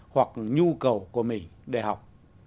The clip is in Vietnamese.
hoặc nhu cầu của mình để học